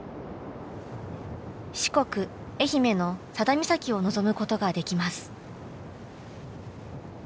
四国愛媛の佐田岬を望むことができます。